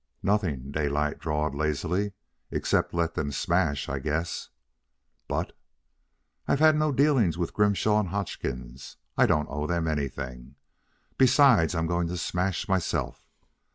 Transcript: "Nothing," Daylight drawled lazily. "Except let them smash, I guess " "But " "I've had no dealings with Grimshaw and Hodgkins. I don't owe them anything. Besides, I'm going to smash myself.